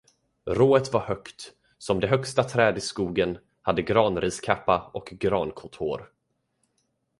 Rået var högt, som det högsta träd i skogen, hade granriskappa och grankotthår.